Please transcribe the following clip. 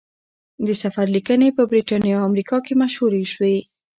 د سفر لیکنې په بریتانیا او امریکا کې مشهورې شوې.